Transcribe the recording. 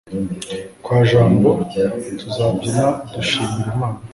kwa jambo. tuzabyina dushimira imana